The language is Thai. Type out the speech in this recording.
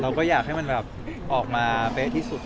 เราก็อยากให้มันออกมาเฟสที่สุด